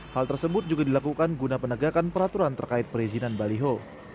hal tersebut juga dilakukan guna penegakan peraturan terkait perizinan baliho